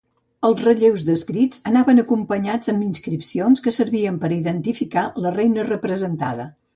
Els relleus descrits anaven acompanyats amb inscripcions que servien per identificar la reina representada.